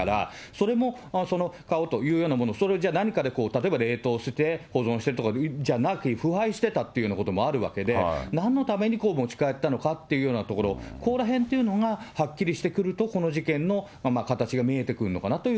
それも保管ということ、それをじゃあ、何かで例えば冷凍して保存してとかじゃなく、腐敗してたっていうようなこともあるわけで、なんのためにこれを持ち帰ってのかっていうところ、ここらへんというのが、はっきりしてくると、この事件の形が見えてくるのかな